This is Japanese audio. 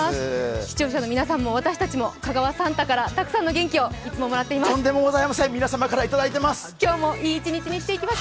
視聴者の皆さんも私たちも香川サンタからたくさんの元気をいつももらっています。